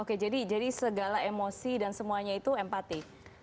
oke jadi segala emosi dan semuanya itu empati